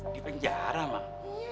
di penjara mak